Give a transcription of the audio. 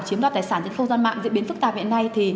chiếm đoạt tài sản trên không gian mạng diễn biến phức tạp hiện nay